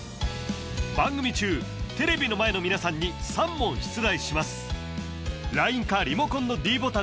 番組中テレビの前の皆さんに３問出題します